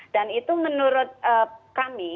dan itu menurut kami